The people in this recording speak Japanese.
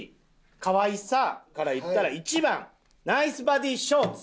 かわいさからいったら１番ナイスバディショーツ。